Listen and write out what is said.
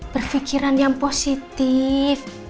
berpikiran yang positif